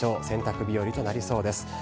洗濯日和となりそうです。